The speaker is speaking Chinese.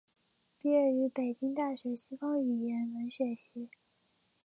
毕业于北京大学西方语言文学系。